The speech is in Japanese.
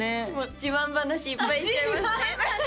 自慢話いっぱいしちゃいますね自慢話！